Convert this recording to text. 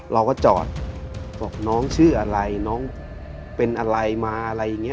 เราก็จอดบอกน้องชื่ออะไรน้องเป็นอะไรมาอะไรอย่างนี้